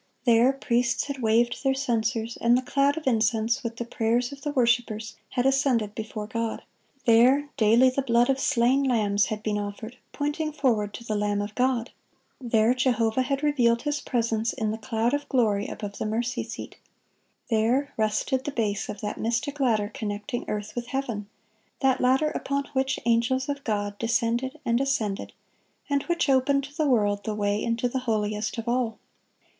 There, priests had waved their censers, and the cloud of incense, with the prayers of the worshipers, had ascended before God. There, daily the blood of slain lambs had been offered, pointing forward to the Lamb of God. There, Jehovah had revealed His presence in the cloud of glory above the mercy seat. There, rested the base of that mystic ladder connecting earth with heaven,(8)—that ladder upon which angels of God descended and ascended, and which opened to the world the way into the holiest of all.